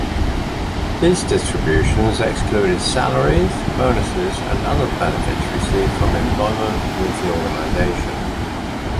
These distributions excluded salaries, bonuses, and other benefits received from employment with the organization.